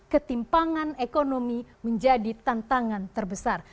ketimpangan ekonomi menjadi tantangan terbesar